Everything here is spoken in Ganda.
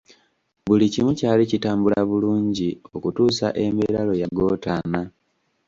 Buli kimu kyali kitambula bulungi okutuusa embeera lwe yagootaana.